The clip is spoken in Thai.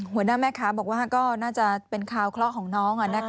หัวหน้าแม่ค้าบอกว่าก็น่าจะเป็นข่าวเคราะห์ของน้อง